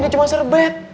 ini cuma sebet